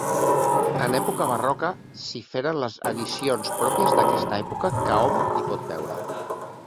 En època barroca s'hi feren les addicions pròpies d'aquesta època que hom hi pot veure.